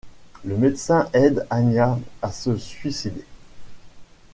Le médecin aide Agna à se suicider.